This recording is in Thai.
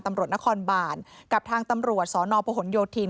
ตำรวจณคอนบาลกับทางตำรวจสอนโพหนโยธีน